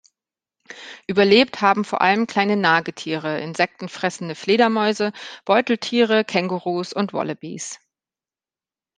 Überlebt haben vor allem kleine Nagetiere, insektenfressende Fledermäuse, Beuteltiere, Kängurus und Wallabys.